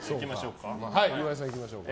岩井さん、いきましょうか。